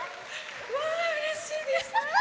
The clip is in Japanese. わー、うれしいです！